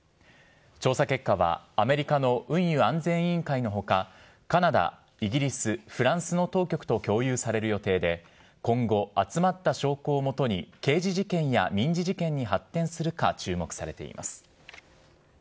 調査結果は、アメリカの運輸安全委員会のほか、カナダ、イギリス、フランスの当局と共有される予定で、今後、集まった証拠をもとに、刑事事件や民事事件に発展するか注目されています。